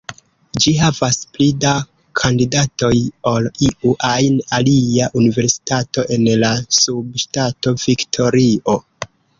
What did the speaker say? Ĝi havas pli da kandidatoj ol iu ajn alia universitato en la subŝtato Viktorio.